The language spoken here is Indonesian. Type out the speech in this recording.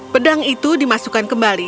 pedang itu dimasukkan kembali